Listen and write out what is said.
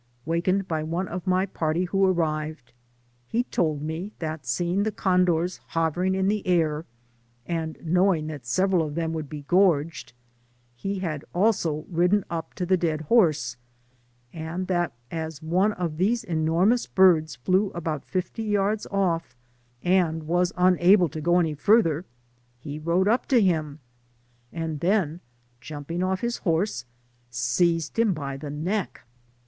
Wakened by one of my party who arrived : he told me, that seeing the condors hovering in the air, and knowing that several of them would be gorged*, he had also ridden up to the dead horse, and that as one of these enormous birds flew about fifty yards off, and was imable to go any farther, he rode up to him, and then, jumping off his horse, seized him by the neck.